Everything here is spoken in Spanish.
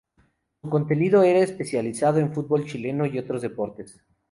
Su contenido era especializado en fútbol chileno y otros deportes.